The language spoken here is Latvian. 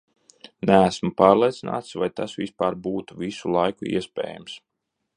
Neesmu pārliecināts, vai tas vispār tur būtu visu laiku iespējams....